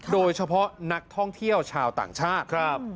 โดยเฉพาะนักท่องเที่ยวชาวต่างชาติ